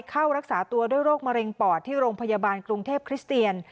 เข้ารักษาตัวด้วยโรคมะเร็งปอดที่โรงพยาบาลกรุงเทพคริสเตียน